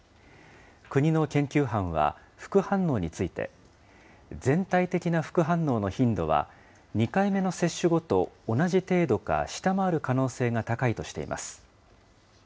国の研究班は、副反応について、全体的な副反応の頻度は２回目の接種後と同じ程度か下回る可能性が高いとしています。